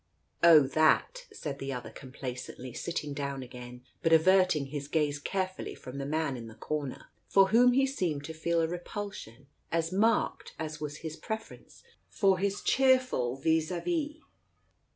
" Oh, that !" said the other complacently, sitting down again, but averting his gaze carefully from the man in the corner, for whom he seemed to feel a repulsion as marked as was his preference for his cheerful vis a vis.